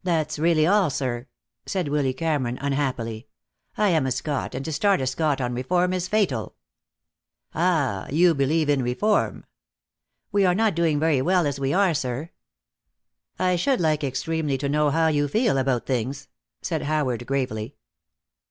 "That's really all, sir," said Willy Cameron, unhappily. "I am a Scot, and to start a Scot on reform is fatal." "Ah, you believe in reform?" "We are not doing very well as we are, sir." "I should like extremely to know how you feel about things," said Howard, gravely.